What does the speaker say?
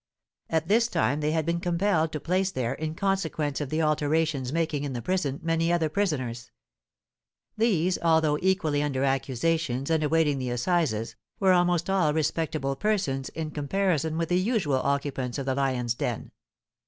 At this time they had been compelled to place there, in consequence of the alterations making in the prison, many other prisoners. These, although equally under accusations and awaiting the assizes, were almost all respectable persons in comparison with the usual occupants of the Lions' Den.